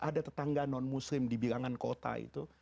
ada tetangga non muslim di bilangan kota itu